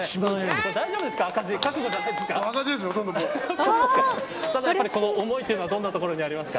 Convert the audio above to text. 大丈夫ですか赤字覚悟でやってるんですか。